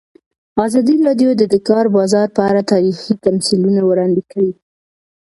ازادي راډیو د د کار بازار په اړه تاریخي تمثیلونه وړاندې کړي.